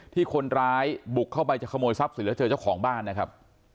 ที่คนร้ายบุกเข้าไปจะขโมยทรัพย์สินแล้วเจอเจ้าของบ้านนะครับ